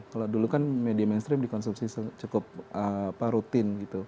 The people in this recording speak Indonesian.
kalau dulu kan media mainstream dikonsumsi cukup rutin gitu